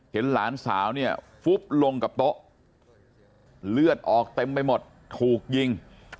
เห็นหลานสาวเนี่ยฟุบลงกับโต๊ะเลือดออกเต็มไปหมดถูกยิง